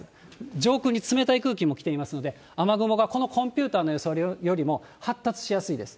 上空に冷たい空気も来ていますので、雨雲がこのコンピューターの予想よりも発達しやすいです。